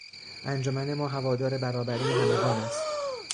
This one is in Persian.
انجمن ما هوادار برابری همگان است.